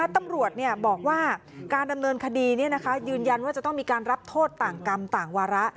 ตำรวจบอกว่าการดำเนินคดียืนยันว่าจะต้องมีการรับโทษต่างกรรมต่างวาระ